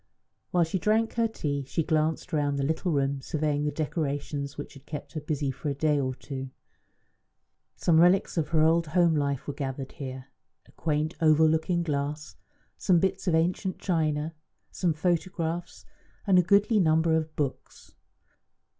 While she drank her tea she glanced round the little room, surveying the decorations which had kept her busy for a day or two. Some relics of her old home life were gathered here a quaint oval looking glass, some bits of ancient china, some photographs, and a goodly number of books.